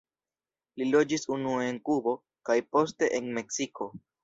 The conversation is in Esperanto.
Li loĝis unue en Kubo kaj poste en Meksiko.